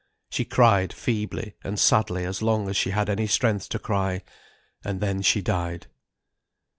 She cried feebly and sadly as long as she had any strength to cry, and then she died.